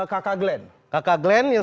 kakak glenn kakak glenn yang